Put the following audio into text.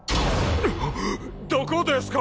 どこですか？